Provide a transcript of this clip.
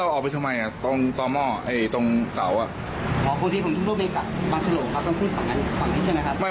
เราต้องขึ้นฝั่งนั้นฝั่งนี้ใช่ไหมครับ